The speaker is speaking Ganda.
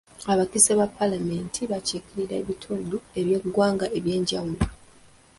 Abakiise ba paalamenti bakiikirira ebitundu by'eggwanga eby'enjawulo.